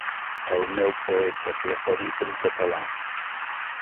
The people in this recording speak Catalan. El meu poeta preferit en català.